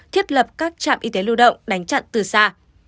thiết lập các trạm y tế lưu động đánh chặn từ xa